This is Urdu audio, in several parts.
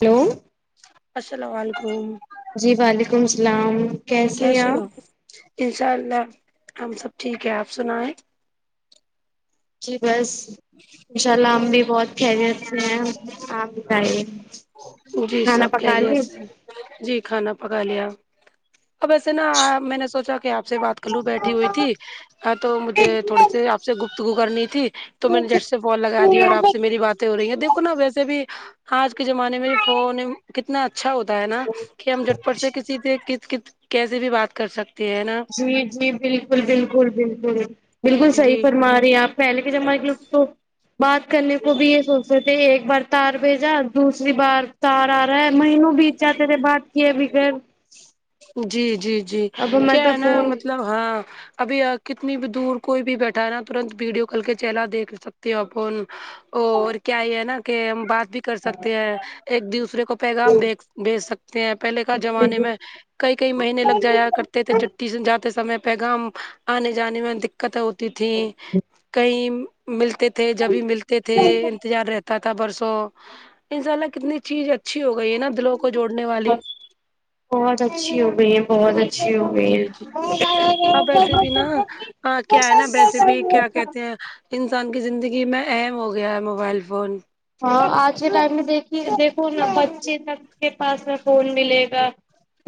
ہلو السلام علیکم جی وعلیکم السلام ہیں کیسے ہو آپ انشاء اللہ ہم سب ٹھیک ہے آپ سنائیں جی بس انشاء اللہ ہم بھی بہت خیریت سے ہے آپ بتائیے جی کھانا سب پکا خیریت لیے سے ہےجی کھانا پکا لیا اب ایسے نا میں نے سوچا کہ آپ سے بات کر لوں بیٹھی ہوئی تھی ہاں تو مجھے تھوڑی سی آپ سے گفتگو کرنی تھی تو میں نے جٹ سے فون لگا دی اور آپ سے میری بات ہو رہی ہیں دیکھو نا ویسے بھی آج کے زمانے میں فون کتنا اچھا ہوتا ہے نا کہ ہم جھٹ پٹ سے کسی سے ک ک کیسے بھی بات کر سکتے ہیں نا جی جی بالکل بالکل بالکل بالکل صحیح جی فرما رہی آپ پہلے کے زمانے کے لوگ تو بات کرنے کو بھی یہ سوچتے تھے ایک بار تار بھیجا دوسر دوسری بار تار آ رہا ہے مہینوں بیت چاہتے تھے بات کیے بغیر جی جی جی اب ہمارے کیا ہے پاس نا فون مطلب ہاں ابھی کتنی بھی دور کوئی بھی بیٹھا ہے نا ترنت ویڈیو کھول کے چہرہ دیکھ سکتے ہے اپن اور کیا یہ ہے نا کہ ہم بات بھی کر سکتے ہیں ایک دوسرے کو پیغام بھیج سکتے ہیں پہلے کا زمانے میں کئی کئی مہینے لگ جایا کرتے تھے چٹٹی سے جاتے سمے پیغام آنے جانے میں دقت ہوتی تھی کہیں ملتے تھے جبھی ملتے تھے انتظار رہتے تھا برسوں انشاء اللہ کتنی چیز اچھی ہو گئی ہے نہ دلوں کو جوڑنے والی بہت اچھی ہو گئی ہے بہت ا جی جی اب ویسے بھی نا کیا ہے نا ویسے بھی کیا کہتے ہیں انسان کی زندگی میں اہم ہو گیا ہے موبائل فون ہاں آج کے ٹائم میں دیک دیھکوا بچے تک کے پاس میں فون ملے گا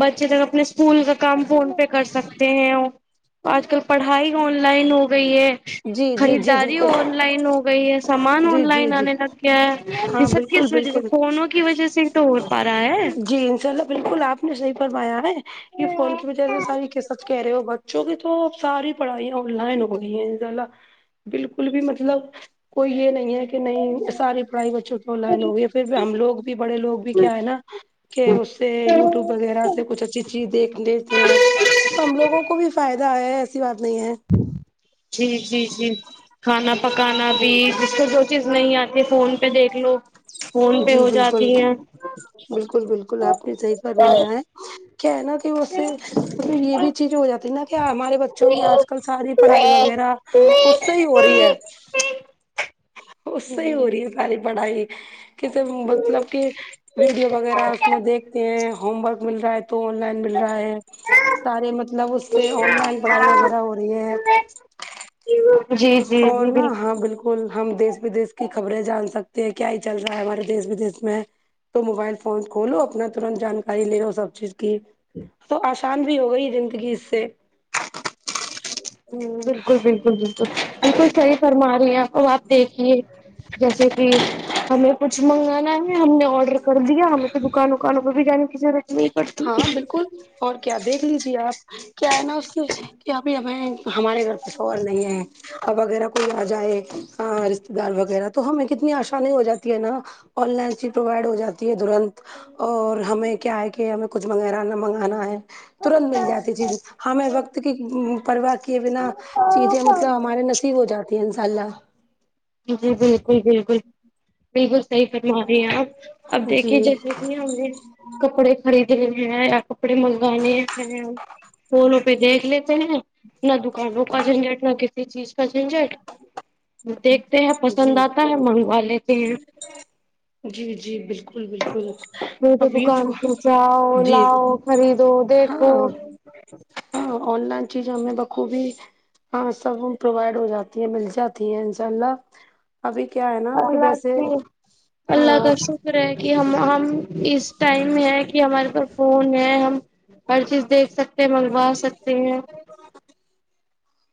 بچے تک اپنے اسکول کا کام فون پہ کر سکتے ہیں آج کل پڑھائی آن لائن ہو گئی ہے جی جی جی خریداری بالکل آن لائن ہو گئی ہے سامان جی آن جی لائن جی آنے لگ گیا یہ ہاں سب بالکل کس وجہ سے بالکل فونوں کی وجہ سے تو ہو پا رہا ہے جی انشاء اللہ بالکل آپ نے صحیح فرمایا ہے یہ فون کی وجہ سے ساری سچ کہہ رہے ہو بہت چکہ تو اب ساری پڑھائیاں آن لائن ہو گئی ہیں بالکل بھی مطلب کوئی یہ نہیں یہ کہ نہیں ساری پڑھائی بچوں کی آن لائن ہوگی پھر ہم لوگ بھی بڑے لوگ بھی کیا ہے نا کہ اس سے یوٹیوب وغیرہ سے کچھ اچھی چیز دیکھ لیتے ہیں تو ہم لوگوں کو بھی فائدہ آیا ہے ایسی بات نہیں ہے جی جی جی کھانا پکانا بھی اس کو جو چیز نہیں آتی فون پہ دیکھ لو فون پہ جی ہو جاتی بالکل ہیں بالکل بالکل آپ نے صحیح فرمایا ہے کیا ہے نا کہ اس سے مطلب یہ بھی چیز ہو جاتی ہے نا کیا ہمارے بچوں کی آج کل ساری پڑھائی وغیرہ اس سے ہی ہو رہی ہے اس سے ہی ہو ہوں رہی ہے ساری پڑھائی کیسے مطلب کہ ویڈیو وغیرہ اس میں دیکھتے ہیں ہوم ورک مل رہا ہے تو آن لائن مل رہا ہے سارے مطلب اس سے آن لائن پڑھائی وغیرہ ہو رہی ہے جی اور نہ ہاں بالکل ہم دیس ودیش کی خبریں جان سکتے ہیں کیا ہی چل رہا ہے ہمارے دیش ودیش میں تو موبائل فون کولو اپنا ترنت جانکاری لے لو سب چیز تو آسان بھی ہو گئی زندگی اس سے ہ بالکل بالکل بالکل بالکل صحیح فرما رہی ہیں آپ آپ دیکھیے جیسے کی ہمیں کچھ منگانا ہے ہم نے آڈر کر دیا ہمیں تو دکان وکانوں پہ بھی جانے کی ضرورت نہیں پڑتی ہاں بالکل اور کیا دیکھ لیجے آپ کیا ہے نا اس سے کہ ابھی ہمیں ہمارے گھر پہ شوہر نہیں ہے ا وغیرہ کوئی آ جائے رشتے دار وغیرہ تو ہمیں کتنی آسانی ہو جاتی ہے نا آن لائن چیز پرووائڈ ہو جاتی ہے ترنت اور ہمیں کیا ہے کہ ہمیں کچھ منگیرا منگانا ہے ترنت مل جاتی چیز ہمیں وقت کی پرواہ کیے بنا چیزیں مطلب ہمارے نصیب ہو جاتی ہیں انشاء اللہ جی بالکل بالکل بالکل صحیح فرما رہے ہیں آپ اب دیکھیے جی جیسے کہ ہم نے کپڑے خریدنے ہیں یا کپڑے منگوانے ہیں فونوں پہ دیکھ لیتے ہیں نہ دکان روپا جھنجھٹ نہ ک اس چیز کا جنجٹ دیکھتے ہیں جی پسند آتا ہے منگوا لیتے ہیں جی جی بالکل بالکل تو اب یہ دکان پہ جاؤ جی لاؤ خریدو دیکھو ہاں ہاں آن لائن چیز ہم بقوبی ہاں سب پرووائڈ ہو جاتی ہیں مل جاتی ہیں انشاء اللہ ابھی کیا ہے نا کہ اللہ ویسے کی ہاں اللہ کا شکر کہ ہم ہم اس ٹائم ہے کہ ہمارے پاس فون ہے ہم ہر چیز دیکھ سکتے منگوا سکتے ہیں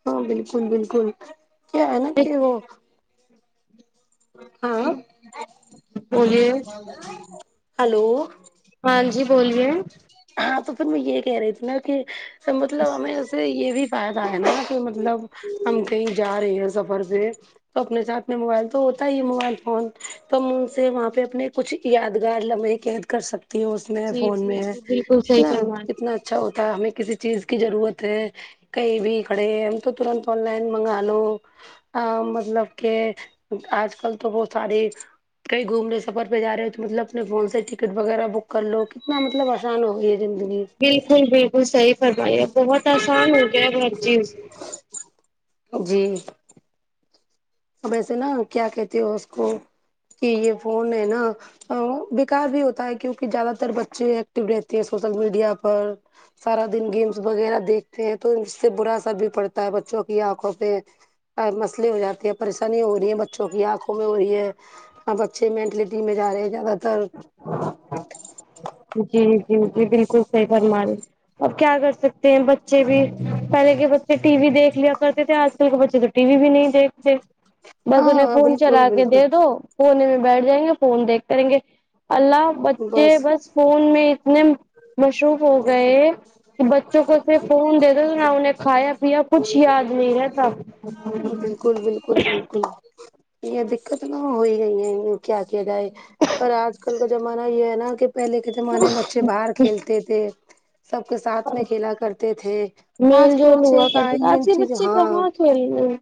ہاں بالکل بالکل کیا ہے نا کہ وہ ہاں بولیے ہیلو ہاں جی بولیے ہاں تو پھر میں یہ کہہ رہی تھی نا کہ مطلب ہمیں اسے یہ بھی فائدہ ہے نا کہ مطلب ہم کہیں جا رہے ہیں سفر پہ تو اپنے ساتھ میں موبائل تو ہوتا ہی موبائل فون تو ہم ان سے وہاں پہ اپنے کچھ یادگار لمحے قید کر سکتی ہوں اس میں جی فون جی میں جی بال ہے نا کتنا اچھا ہوتا ہے ہمیں کسی چیز کی ضرورت ہے کئی بھی کھڑے ایم تو ترنت آن لائن منگا لو ا مطلب کہ آج کل تو بہت ساری کہیں گھوم لے سفر پہ جا رہے ہیں تو مطلب اپنے فون سے ٹکٹ وغیرہ بک کر لو کتنا مطلب کسان ہوئی ہے زندگی بالکل بالکل صحیح فرمایا ہے بہت آسان ہو گیا ہے ہر چیز جی اب ایسے نا کیا کہتے ہو اس کو کہ یہ فون ہے نا بیکار بھی ہوتا ہے کیونکہ زیادہ تر بچے ایکٹو رہتے ہیں سوشل میڈیا پر سارا دن گیمس وغیرہ دیکھتے ہیں تو اس سے برا اثر بھی پڑتا ہے بچوں کی آنکھوں پہ مسئلے ہو جاتے ہیں پریشانیاں ہو رہی ہیں بچوں کی آنکھوں میں ہو رہی ہے اور بچے مینٹلٹی میں جا رہے ہیں زیادہ تر جی جی جی بالکل صحیح فرما رہے اب کیا کر سکتے ہیں بچے بھی پہلے کے بچے ٹی وی دیکھ لیا کرتے تھے آج کل کے بچے ٹی وی بھی نہیں دیکھتے بس ہاں انہیں ہاں فون بالکل چلا کے بالکل دے دو کونے میں بیٹھ جائیں گے فون دیکھ کریں گے اللہ بچے بس فون میں اتنے مصروف ہو گئے کہ بچوں کو سے فون دے دے نا ہیں کھایا پیا پوچھیا بالکل بالکل بالکل یہ دقت نہ ہو گئی ہے کیا کیا جائے پر آج کل کا زمانہ یہ ہے نا کہ پہلے کے زمانے میں بچے باہر کھیلتے تھے سب کے ساتھ میں کھیلا کرتے تھے آج میل کے جول بچے ہوا کرتے تھے آئی آج کے بچے ہاں کہاں کھیل رہے ہیں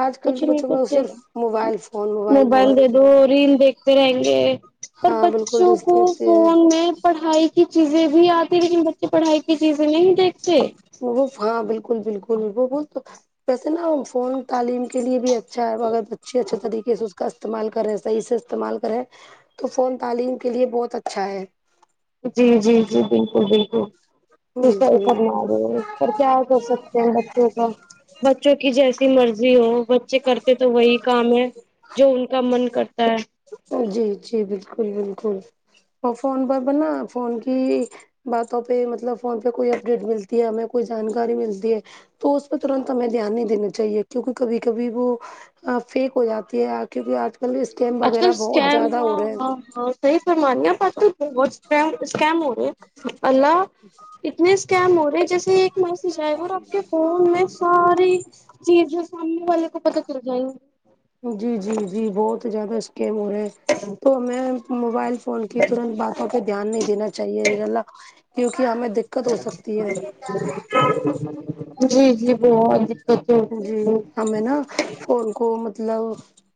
آج کل کچھ کے نہیں بچوں میں کرتے صرف موبائل فون موبائل فون وہ ریل دیکھتے رہیں گے اور ہاں بالکل بچوں کو رستے فون میں پڑھائی کی چیزیں بھی آتی لیکن بچے پڑھائی کی چیزیں نہیں دیکھتے وہ ہاں بالکل بالکل وہ بول تو ویسے نا فون تعلیم کے لیے بھی چار بغ اچھے اچھے طریقے سے اس کا استعمال کرے سہی سے استعمال کرے تو فون تعلیم کے لیے بہت اچھا ہے جی جی جی بالکل بالکل ٹیوشر بالکل کرم رہے پر کیا کر سکتے ہیں بچوں کا بچوں کی جیسی مرضی ہو بچے کرتے تو وہی کام ہے جو ان کا من کرتا ہے جی جی بالکل بالکل اور فون پر بننا فون کی باتوں پہ مطلب فون پہ کوئی اپڈیٹ ملتی ہے ہمیں کوئی جانکاری ملتی ہے تو اس پہ ترنت ہمیں دھیان نہیں دینا چاہیے کیونکہ کبھی کبھی وہ فیک ہو جاتی ہے کیونکہ آج کل اسکیم وغیرہ بہت زیادہ ہو رہے ہیں صحی فرمانیا پر تو بہت اسکیم ہو گئے اللہ جچا اتنے اسکم ہو رہے ہیں جیسے ایک میسج آئے گا اور آپ کے فون میں ساری چیزیں سامنے والے کو پتا چل جائیں گی جی جی جی بہت زیادہ تو میں موبائل فون کی ترنت باتوں پہ دھیان نہیں دینا چاہیے انشاء اللہ کیونکہ ہمیں دے جی جی بہت جی جی ہمیں نا فون کو مطلب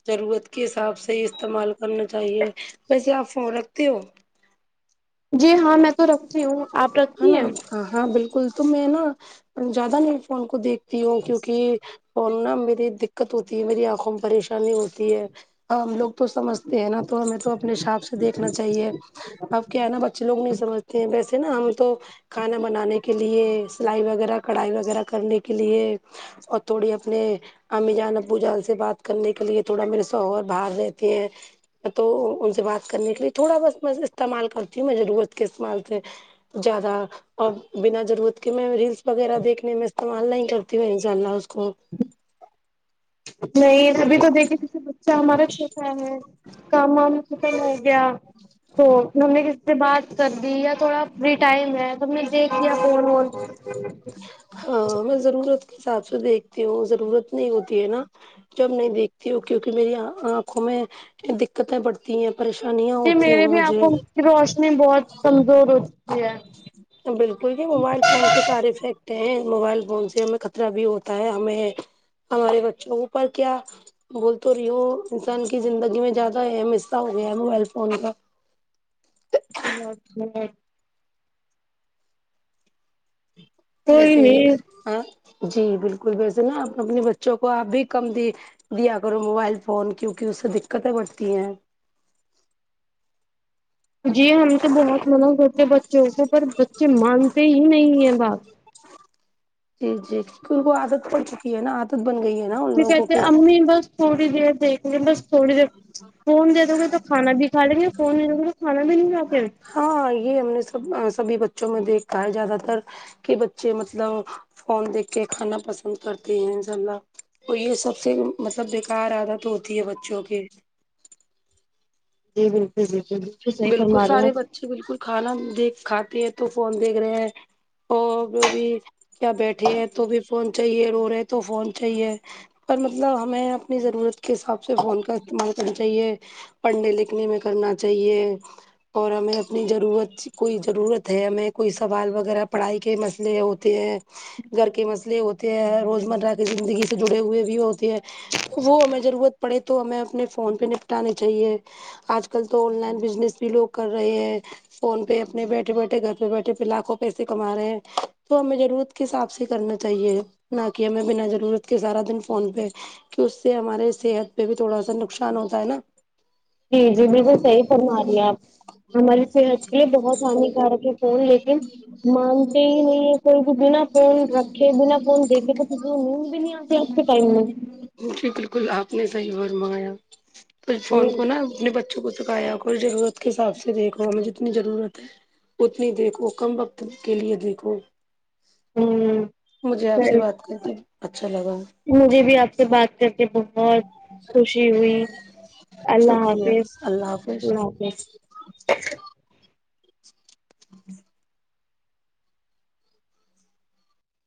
ضرورت کے حساب سے ہی استعمال کرنا چاہیے ویسے آپ فون رکھتے ہو جی ہاں میں تو رکھتی ہوں آپ ہے رکھتی نا ہیں ہاں بالکل تو میں نا زیادہ میرے فون کو دیکھتی ہوں کیونکہ فون نہ میری دقت ہوتی ہے میری آنکھوں میں پریشانی ہوتی ہے ہم لوگ تو سمجھتے ہیں نا تو ہمیں تو اپنے حساب سے دیکھنا چاہیے اب کیا ہے نا بچے لوگ نہیں سمجھتے ہیں ویسے نا ہم تو کھانا بنانے کے لیے سلائی وغیرہ کڑھائی وغیرہ کرنے کے لیے اور تھوڑی اپنے امی جان ابو جان سے بات کرنے کے لیے تھوڑا میرے اور باہر رہتے تو ان سے بات کرنے کے لیے تھوڑا بس میں استعمال کرتی ہوں میں ضرورت کے استعمال سے زیادہ بنا ضرورت کے میں ریلس وغیرہ دیکھنے میں کمالنا ہی کرتی میں ان شاء اللہ اس کو نہیں ابھی تو دیکھی تو سے بچہ ہمارا چھوٹا ہے کام وام ختم ہو گیا تو ہم نے کسی سے بات کر دی یا تھوڑا فری ٹائم ہے سب نے دیکھیا فون ہاں میں ضرورت کے حساب سے دیکھتی ہوں ضرورت نہیں ہوتی ہے نا جب نہیں دیکھتی ہو کیوںکہ میری آنکھوں میں دقتیں پڑتی ہیں پریشانیاں ہوتی ہیں مجھے تو اس نے بہت کمزور چکی ہے بالکل یہ موبائل فون کے سارے افیکٹ ہیں موبائل فون سے ہمیں خطرہ بھی ہوتا ہے ہمیں ہمارے بچوں پر کیا بول تو رہی ہو انسان کی زندگی میں زیادہ اہم حصہ ہو گیا ہے موبائل فون کا [unintelligible] کوئی ویسے نہیں ہا جی بالکل ویسے نا آپ اپنی بچوں کو آپ بھی کم دیں دیا کرو موبائل فون کیونکہ اس سے دقتیں بڑھتی ہیں جی ہم تو بہت منع کرتے بچوں کو پر بچے مانتے ہی نہیں ہیں بات جی جی جن کو عادت پڑ چکی ہے نہ عادت بن گئی ہے نہ ان پھر لوگوں کہتے کی امی بس تھوڑی دیر دیکھلیں بس تھوڑی دیر فون دے دو گے تو کانا بھی کھا لیں گے فون نہیں دو گے تو کھانا بھی نہیں کھاتے ہاں یہ ہم نے سب سبھی بچوں میں دیکھا ہے زیادہ تر کہ بچے مطلب فون دیکھ کے کھانا پسند کرتے ہیں انشاء اللہ تو یہ سب سے مطلب بےکار عادت ہوتی ہے بچوں کی جی بیل بالکل سارے بچے بالکل کھانا دیکھ کھاتے ہیں تو فون دیکھ رہے ہیں اور بی بی کیا بیٹھے ہیں تو بھی فون چاہیے رو رہے تو فون چاہیے پر مطلب ہمیں اپنی ضرورت کے حساب سے فون کا استعمال کرنا چاہیے پڑھنے لکھنے میں کرنا چاہیے اور ہمیں اپنی ضرورت کوئی ضرورت ہے ہمیں کوئی سوال وغیرہ پڑھائی کے مسئلے ہے ہو ہو ہیں گھر کے مسئلے ہوتے ہیں روز مرہ کی زندگی سے جڑے ہوئے بھی ہوتے ہیں تو وہ ہمیں ضرورت پڑے تو ہمیں اپنے فون پہ نپٹانے چاہیے آج کل تو آن لائن بزنس بھی لوگ کر رہے ہیں فون پہ اپنے بیٹھے بیٹھے گھر پہ بیٹھے پہ لاکھوں پیسے کما رہے ہیں تو ہمیں ضرورت کے حساب سے کرنا چاہیے نہ کہ ہمیں بنا ضرورت کے سارا دن فون پہ کہ اس سے ہمارے صحت پہ بھی تھوڑا سا نقصان ہوتا ہے نا جی جی بالکل صحیح فرما رہی ہیں آپ ہماری صحت کے لیے بہت ہانیکارک ہے فون لیکن مانتے ہی نہیں ہے کوئی بھی بولو آپ فون رکھے بنا فون دیکھے تو نیند بھی نہیں آتی آج کے ٹائم میں جی بالکل آپ نے صحیح فرمایا تو فون ہوں کو نا اپنے با چھک چکایا ہو اور ضرورت کے حساب سے دیکھو ہمیں جتنی ضرورت ہے اتنی دیکھو کم وقت کے لیے دیکھو ہوں مجھے آپ سے بات کر کے اچھا لگا مجھے بھی آپ سے بات کر کے بہت خوشی ہوئی اللہ شکریہ حافظ اللہ حافظ اللہ حافظ